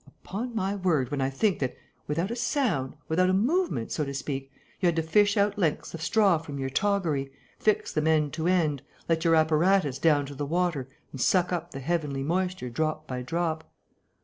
Upon my word, when I think that, without a sound, without a movement so to speak, you had to fish out lengths of straw from your toggery, fix them end to end, let your apparatus down to the water and suck up the heavenly moisture drop by drop....